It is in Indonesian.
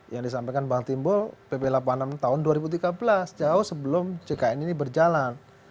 yang disampaikan bang timbul pp delapan puluh enam tahun dua ribu tiga belas jauh sebelum jkn ini berjalan